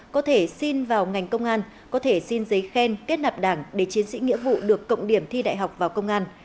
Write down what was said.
có thể xin vào ngành công an có thể xin giấy khen kết nạp đảng để chiến sĩ nghĩa vụ được cộng điểm thi đại học vào công an